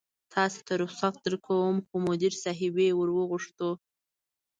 تاسې ته رخصت درکوم، خو مدیر صاحبې ور وغوښتو.